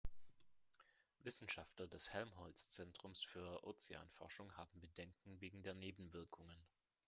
Wissenschaftler des Helmholtz-Zentrums für Ozeanforschung haben Bedenken wegen der Nebenwirkungen.